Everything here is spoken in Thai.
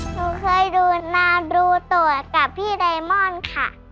หนูเคยดูนาดูตัวกับพี่ไดมอนค่ะ